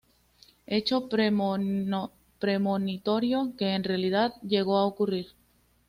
Hecho premonitorio que en realidad llegó a ocurrir.